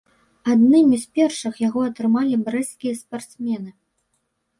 Аднымі з першых яго атрымалі брэсцкія спартсмены.